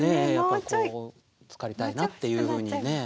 つかりたいなっていうふうにね。